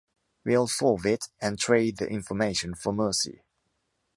We’ll solve it and trade the information for mercy.